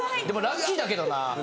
でもラッキーだけどな。